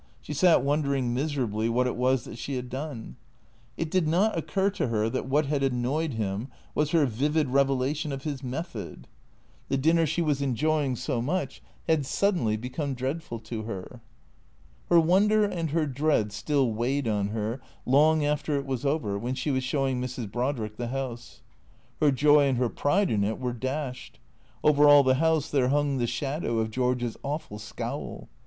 She sat wondering miser ably what it was that she had done. It did not occur to her that what had annoyed him was her vivid revelation of his method. The dinner she was enjoying so much had suddenly become dreadful to her. Her wonder and her dread still weighed on her, long after it was over, when she was showing Mrs. Brodrick the house. Her joy and her pride in it were dashed. Over all the house there hung the shadow of George's awful scowl.